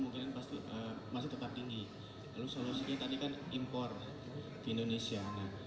lalu solusinya tadi kan impor ke indonesia